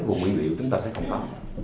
bộ nguyên liệu chúng ta sẽ không có